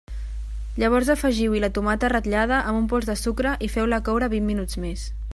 Llavors afegiu-hi la tomata ratllada amb un pols de sucre i feu-la coure vint minuts més.